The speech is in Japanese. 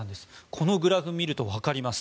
このグラフを見ると分かります。